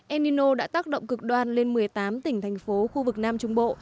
enino đã tác động cực đoan lên một mươi tám tỉnh thành phố khu vực nam trung bộ